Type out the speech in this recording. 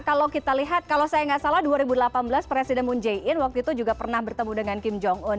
kalau kita lihat kalau saya nggak salah dua ribu delapan belas presiden moon jae in waktu itu juga pernah bertemu dengan kim jong un